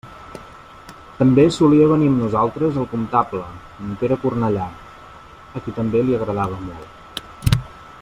També solia venir amb nosaltres el comptable, en Pere Cornellà, a qui també li agradava molt.